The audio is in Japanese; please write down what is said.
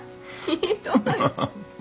ひどい！